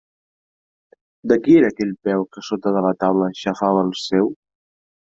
De qui era aquell peu que sota de la taula xafava el seu?